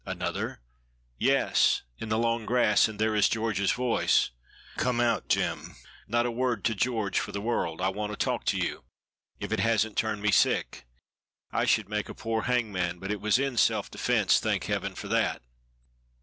"Another?" "Yes, in the long grass! and there is George's voice." "Come out, Jem. Not a word to George for the world. I want to talk to you. If it hasn't turned me sick! I should make a poor hangman. But it was in self defense, thank Heaven for that!"